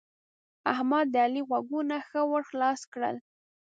احمد؛ د علي غوږونه ښه ور خلاص کړل.